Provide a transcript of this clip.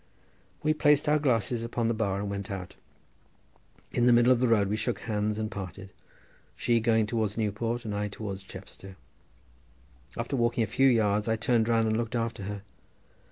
We placed our glasses upon the bar and went out. In the middle of the road we shook hands and parted, she going towards Newport and I towards Chepstow. After walking a few yards I turned round and looked after her.